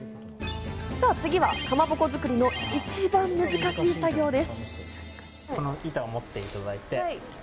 次は、かまぼこ作りの一番難しい作業です。